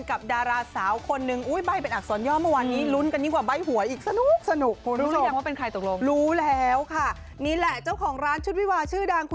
กับดาราสาวคนนึง